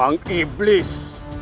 apakah kau tertarik